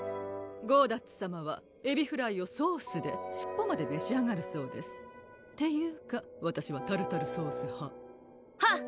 ゴーダッツさまはエビフライをソースで尻尾までめし上がるそうですっていうかわたしはタルタルソース派はっ！